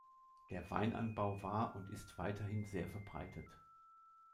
Der Weinanbau war und ist weiterhin sehr verbreitet.